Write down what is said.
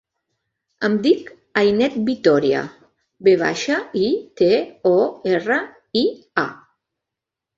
Em dic Ainet Vitoria: ve baixa, i, te, o, erra, i, a.